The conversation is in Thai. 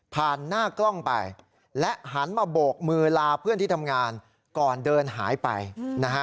หน้ากล้องไปและหันมาโบกมือลาเพื่อนที่ทำงานก่อนเดินหายไปนะฮะ